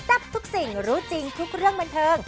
ทับทุกสิ่งรู้จริงทุกเรื่องบันเทิง